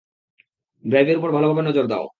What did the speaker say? ড্রাইভের উপর ভালোভাবে নজর দাও।